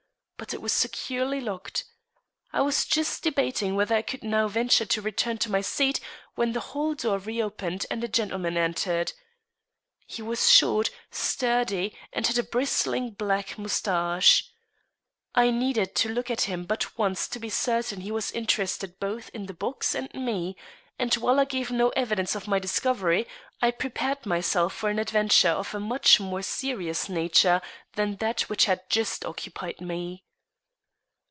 But it was securely locked. I was just debating whether I could now venture to return to my seat, when the hall door reopened and a gentleman entered. He was short, sturdy and had a bristling black mustache. I needed to look at him but once to be certain he was interested both in the box and me, and, while I gave no evidence of my discovery, I prepared myself for an adventure of a much more serious nature than that which had just occupied me.